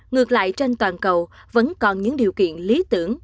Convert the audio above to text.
ngược lại trên toàn cầu vẫn còn những điều kiện lý tưởng